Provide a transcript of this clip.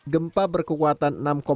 gempa berkekuatan enam lima